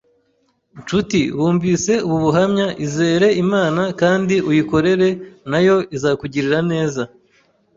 Nshuti wumvise ubu buhamya izere Imana kandi uyikorere nayo izakugirira neza.